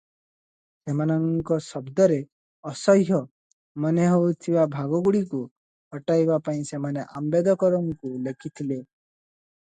"ସେମାନଙ୍କ ଶବ୍ଦରେ "ଅସହ୍ୟ" ମନେହେଉଥିବା ଭାଗଗୁଡ଼ିକୁ ହଟାଇବା ପାଇଁ ସେମାନେ ଆମ୍ବେଦକରଙ୍କୁ ଲେଖିଥିଲେ ।"